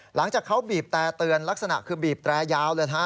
หลังจากเขาบีบแต่เตือนลักษณะคือบีบแตรยาวเลยนะฮะ